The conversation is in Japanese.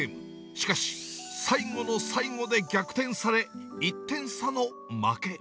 しかし、最後の最後で逆転され、１点差の負け。